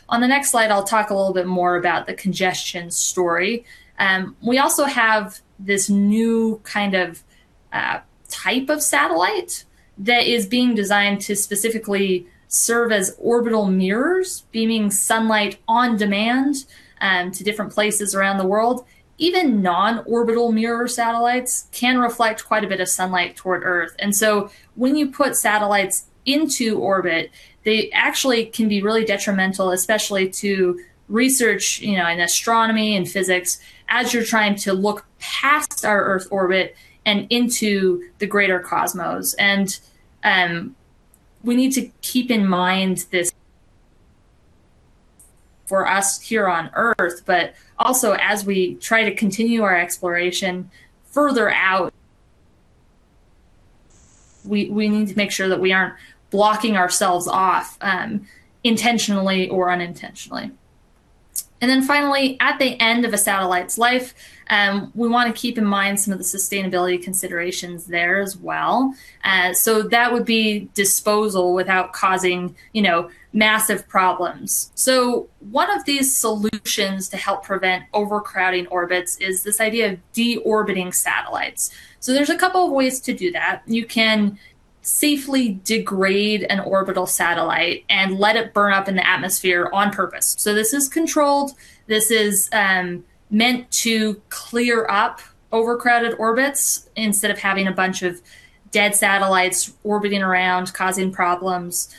On the next slide, I'll talk a little bit more about the congestion story. We also have this new kind of type of satellite that is being designed to specifically serve as orbital mirrors, beaming sunlight on demand to different places around the world. Even non-orbital mirror satellites can reflect quite a bit of sunlight toward Earth. When you put satellites into orbit, they actually can be really detrimental, especially to research in astronomy and physics, as you're trying to look past our Earth orbit and into the greater cosmos. We need to keep in mind this for us here on Earth, also as we try to continue our exploration further out, we need to make sure that we aren't blocking ourselves off intentionally or unintentionally. Finally, at the end of a satellite's life, we want to keep in mind some of the sustainability considerations there as well. That would be disposal without causing massive problems. One of these solutions to help prevent overcrowding orbits is this idea of de-orbiting satellites. There's a couple of ways to do that. You can safely degrade an orbital satellite and let it burn up in the atmosphere on purpose. This is controlled. This is meant to clear up overcrowded orbits instead of having a bunch of dead satellites orbiting around causing problems.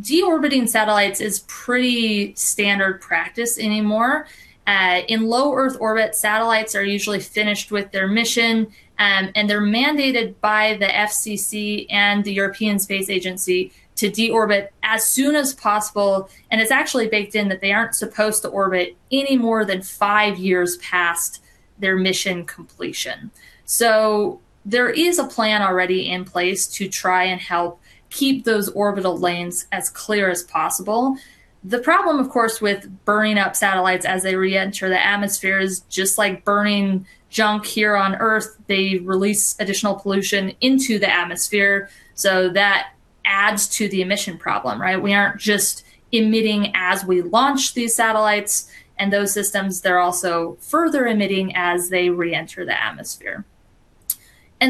De-orbiting satellites is pretty standard practice anymore. In low Earth orbit, satellites are usually finished with their mission, and they're mandated by the FCC and the European Space Agency to de-orbit as soon as possible, and it's actually baked in that they aren't supposed to orbit any more than five years past their mission completion. There is a plan already in place to try and help keep those orbital lanes as clear as possible. The problem, of course, with burning up satellites as they reenter the atmosphere is just like burning junk here on Earth, they release additional pollution into the atmosphere. That adds to the emission problem. We aren't just emitting as we launch these satellites and those systems, they're also further emitting as they reenter the atmosphere.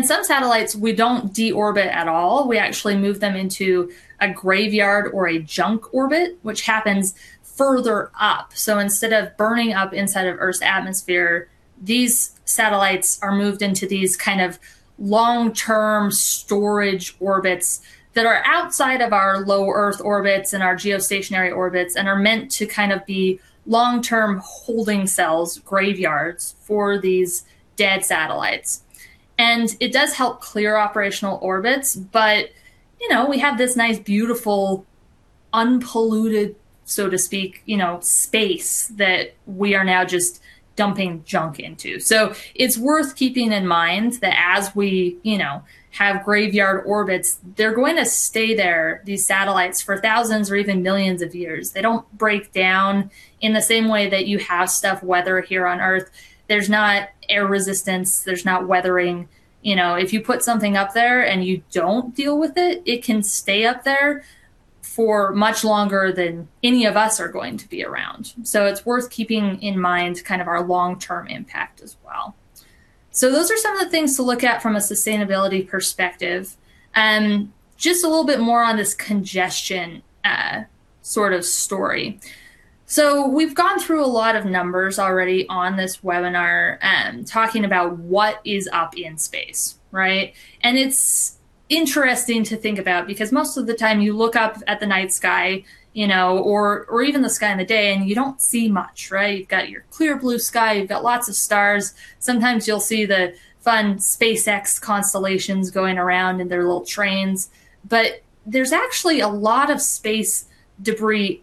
Some satellites, we don't de-orbit at all. We actually move them into a graveyard or a junk orbit, which happens further up. Instead of burning up inside of Earth's atmosphere, these satellites are moved into these kind of long-term storage orbits that are outside of our low Earth orbits and our geostationary orbits and are meant to kind of be long-term holding cells, graveyards, for these dead satellites. It does help clear operational orbits, but we have this nice, beautiful, unpolluted, so to speak, space that we are now just dumping junk into. It's worth keeping in mind that as we have graveyard orbits, they're going to stay there, these satellites, for thousands or even millions of years. They don't break down in the same way that you have stuff weather here on Earth. There's not air resistance, there's not weathering. If you put something up there and you don't deal with it can stay up there for much longer than any of us are going to be around. It's worth keeping in mind our long-term impact as well. Those are some of the things to look at from a sustainability perspective. Just a little bit more on this congestion sort of story. We've gone through a lot of numbers already on this webinar, talking about what is up in space, right? It's interesting to think about because most of the time you look up at the night sky or even the sky in the day, and you don't see much, right? You've got your clear blue sky. You've got lots of stars. Sometimes you'll see the fun SpaceX constellations going around in their little trains. There's actually a lot of space debris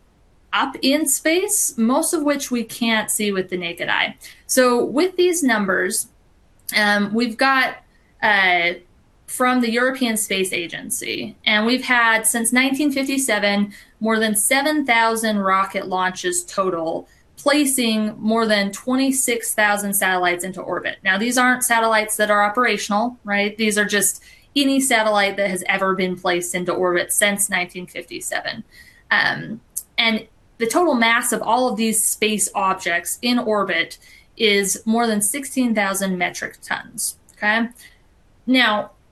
up in space, most of which we can't see with the naked eye. With these numbers, we've got from the European Space Agency, and we've had since 1957 more than 7,000 rocket launches total, placing more than 26,000 satellites into orbit. These aren't satellites that are operational, right? These are just any satellite that has ever been placed into orbit since 1957. The total mass of all of these space objects in orbit is more than 16,000 metric tons, okay?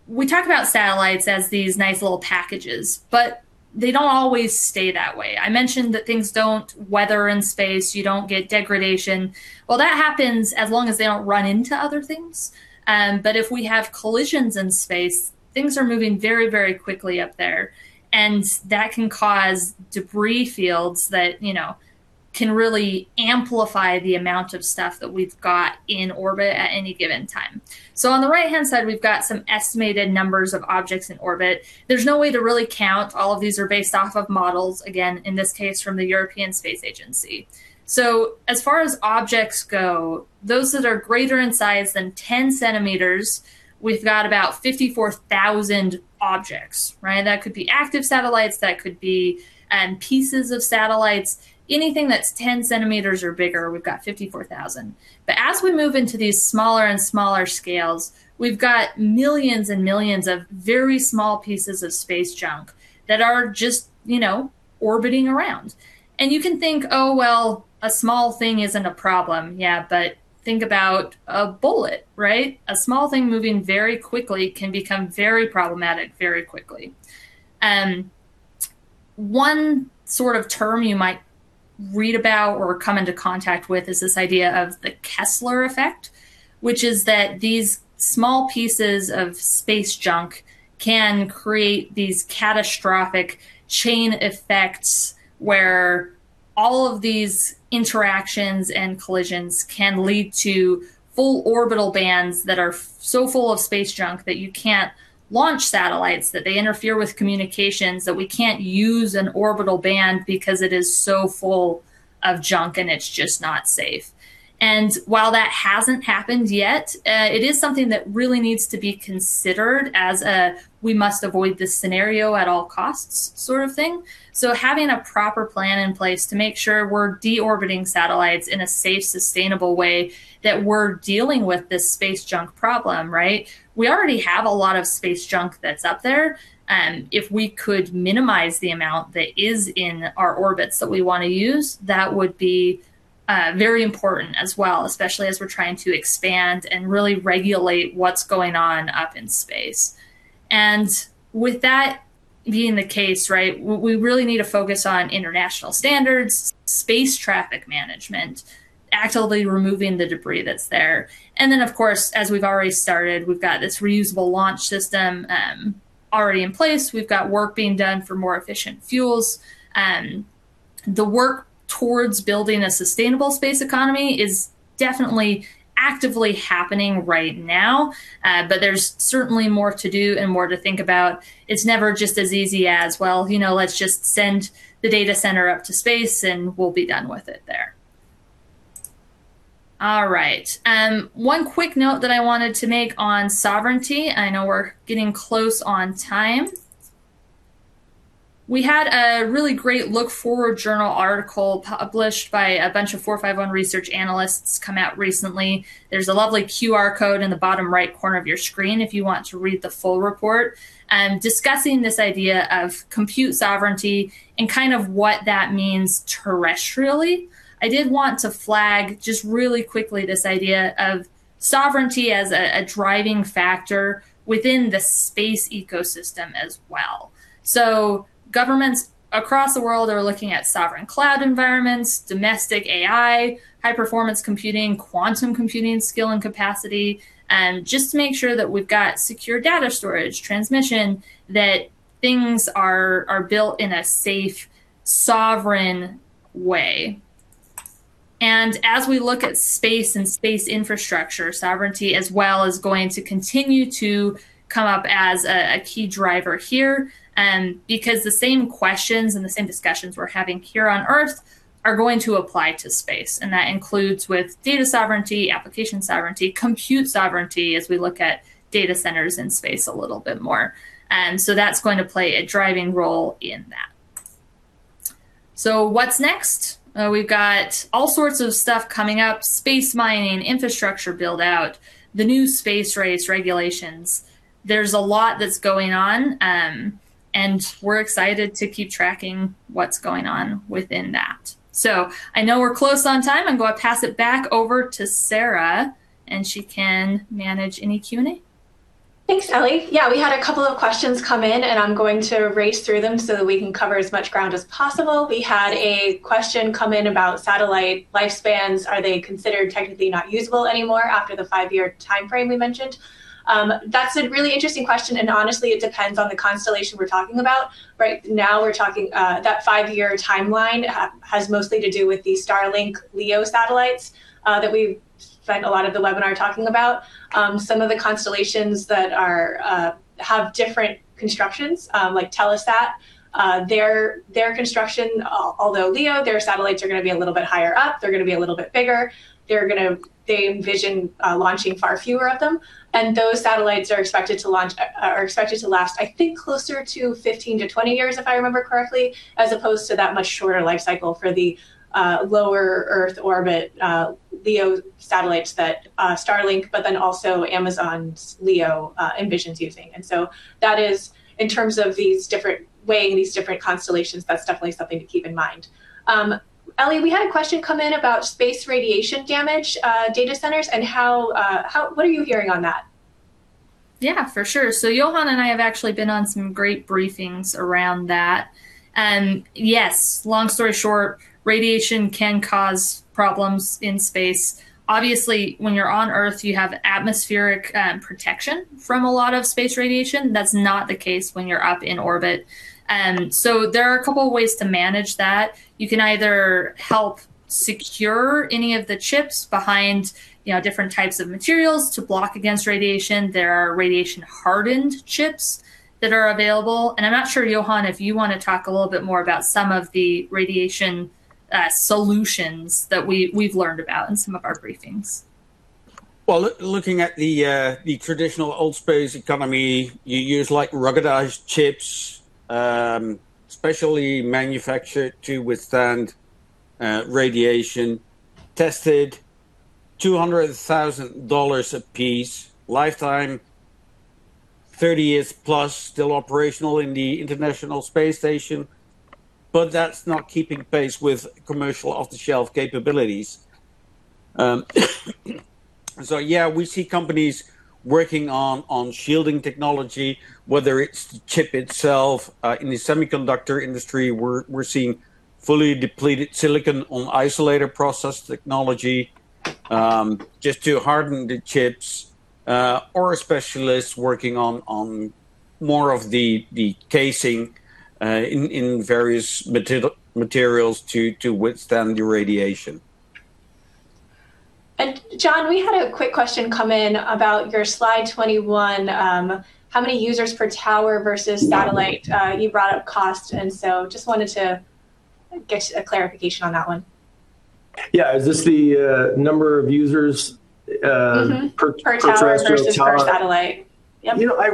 We talk about satellites as these nice little packages, but they don't always stay that way. I mentioned that things don't weather in space. You don't get degradation. That happens as long as they don't run into other things. If we have collisions in space, things are moving very quickly up there, and that can cause debris fields that can really amplify the amount of stuff that we've got in orbit at any given time. On the right-hand side, we've got some estimated numbers of objects in orbit. There's no way to really count. All of these are based off of models, again, in this case, from the European Space Agency. As far as objects go, those that are greater in size than 10 centimeters, we've got about 54,000 objects, right? That could be active satellites. That could be pieces of satellites. Anything that's 10 centimeters or bigger, we've got 54,000. As we move into these smaller and smaller scales, we've got millions and millions of very small pieces of space junk that are just orbiting around. You can think, well, a small thing isn't a problem. Yeah, think about a bullet, right? A small thing moving very quickly can become very problematic very quickly. One sort of term you might read about or come into contact is this idea of the Kessler effect, which is that these small pieces of space junk can create these catastrophic chain effects where all of these interactions and collisions can lead to full orbital bands that are so full of space junk that you can't launch satellites, that they interfere with communications, that we can't use an orbital band because it is so full of junk and it's just not safe. While that hasn't happened yet, it is something that really needs to be considered as a we must avoid this scenario at all costs sort of thing. Having a proper plan in place to make sure we're de-orbiting satellites in a safe, sustainable way, that we're dealing with this space junk problem, right? We already have a lot of space junk that's up there. If we could minimize the amount that is in our orbits that we want to use, that would be very important as well, especially as we're trying to expand and really regulate what's going on up in space. With that being the case, right, we really need to focus on international standards, space traffic management, actively removing the debris that's there. Then, of course, as we've already started, we've got this reusable launch system already in place. We've got work being done for more efficient fuels. The work towards building a sustainable space economy is definitely actively happening right now. There's certainly more to do and more to think about. It's never just as easy as, well, let's just send the data center up to space and we'll be done with it there. All right. One quick note that I wanted to make on sovereignty. I know we're getting close on time. We had a really great look-forward journal article published by a bunch of 451 Research analysts come out recently. There's a lovely QR code in the bottom right corner of your screen if you want to read the full report discussing this idea of compute sovereignty and kind of what that means terrestrially. I did want to flag just really quickly this idea of sovereignty as a driving factor within the space ecosystem as well. Governments across the world are looking at sovereign cloud environments, domestic AI, high-performance computing, quantum computing skill and capacity, just to make sure that we've got secure data storage transmission, that things are built in a safe, sovereign way. As we look at space and space infrastructure, sovereignty as well is going to continue to come up as a key driver here because the same questions and the same discussions we're having here on Earth are going to apply to space. That includes with data sovereignty, application sovereignty, compute sovereignty as we look at data centers in space a little bit more. That's going to play a driving role in that. What's next? We've got all sorts of stuff coming up, space mining, infrastructure build-out, the new space race regulations. There's a lot that's going on, and we're excited to keep tracking what's going on within that. I know we're close on time. I'm going to pass it back over to Sarah, and she can manage any Q and A. Thanks, Ellie. We had a couple of questions come in, and I'm going to race through them so that we can cover as much ground as possible. We had a question come in about satellite lifespans. Are they considered technically not usable anymore after the five-year timeframe we mentioned? That's a really interesting question, and honestly, it depends on the constellation we're talking about. Right now we're talking, that five-year timeline has mostly to do with the Starlink LEO satellites that we've spent a lot of the webinar talking about. Some of the constellations that have different constructions, like Telesat their construction, although LEO, their satellites are going to be a little bit higher up. They're going to be a little bit bigger. They envision launching far fewer of them, and those satellites are expected to last, I think, closer to 15 to 20 years if I remember correctly, as opposed to that much shorter life cycle for the lower Earth orbit LEO satellites that Starlink, but then also Amazon's LEO envisions using. That is in terms of these different weighing these different constellations, that's definitely something to keep in mind. Ellie, we had a question come in about space radiation damage data centers and what are you hearing on that? Yeah, for sure. Johan and I have actually been on some great briefings around that. Yes, long story short, radiation can cause problems in space. Obviously, when you're on Earth, you have atmospheric protection from a lot of space radiation. That's not the case when you're up in orbit. There are a couple of ways to manage that. You can either help secure any of the chips behind different types of materials to block against radiation. There are radiation-hardened chips that are available. I'm not sure, Johan, if you want to talk a little bit more about some of the radiation solutions that we've learned about in some of our briefings. Well, looking at the traditional old space economy, you use ruggedized chips, specially manufactured to withstand radiation, tested $200,000 a piece, lifetime 30 years plus, still operational in the International Space Station, that's not keeping pace with commercial off-the-shelf capabilities. Yeah, we see companies working on shielding technology, whether it's the chip itself. In the semiconductor industry, we're seeing fully depleted silicon on insulator process technology just to harden the chips or a specialist working on more of the casing in various materials to withstand the radiation. John, we had a quick question come in about your slide 21. How many users per tower versus satellite? You brought up cost, just wanted to get a clarification on that one. Yeah. Is this the number of users- per terrestrial tower? Per tower versus per satellite. Yep. Including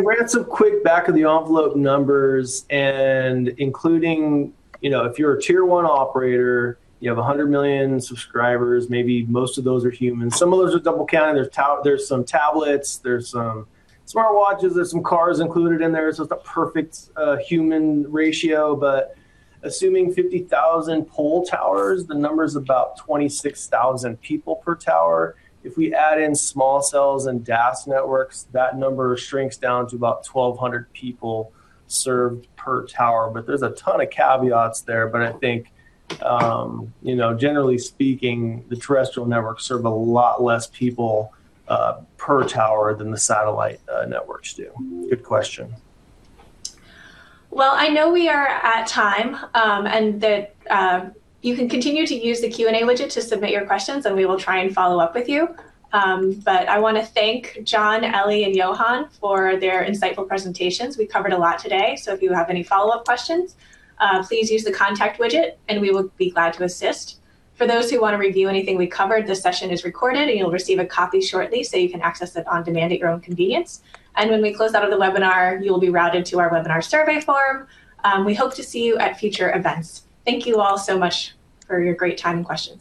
if you're a Tier 1 operator, you have 100 million subscribers, maybe most of those are humans. Some of those are double counting. There's some tablets, there's some smart watches, there's some cars included in there. It's just a perfect human ratio. Assuming 50,000 pole towers, the number's about 26,000 people per tower. If we add in small cells and DAS networks, that number shrinks down to about 1,200 people served per tower. There's a ton of caveats there. I think, generally speaking, the terrestrial networks serve a lot less people per tower than the satellite networks do. Good question. Well, I know we are at time, and that you can continue to use the Q and A widget to submit your questions and we will try and follow up with you. I want to thank John, Ellie, and Johan for their insightful presentations. We covered a lot today, so if you have any follow-up questions, please use the contact widget and we will be glad to assist. For those who want to review anything we covered, this session is recorded and you'll receive a copy shortly, so you can access it on demand at your own convenience. When we close out of the webinar, you'll be routed to our webinar survey form. We hope to see you at future events. Thank you all so much for your great time and questions.